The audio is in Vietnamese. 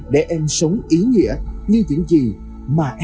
để em sống ý nghĩa như những gì mà em đã được đón nhận